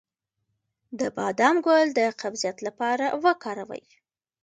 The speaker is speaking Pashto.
د بادام ګل د قبضیت لپاره وکاروئ